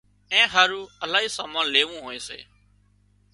اين هارُو الاهي سامان ليوون هوئي سي